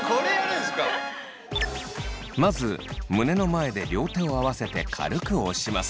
まず胸の前で両手を合わせて軽く押します。